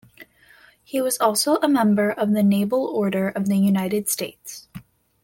He was also a member of the Naval Order of the United States.